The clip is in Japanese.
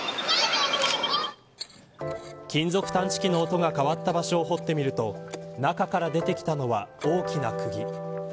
金属探知機の音が変わった場所を掘ってみると中から出てきたのは大きな釘。